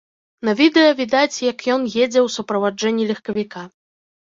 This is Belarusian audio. На відэа відаць, як ён едзе ў суправаджэнні легкавіка.